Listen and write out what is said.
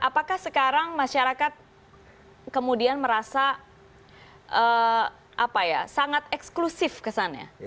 apakah sekarang masyarakat kemudian merasa sangat eksklusif kesannya